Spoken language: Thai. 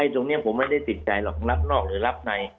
ตรงนี้ผมไม่ได้ติดใจหรอกรับนอกหรือรับใน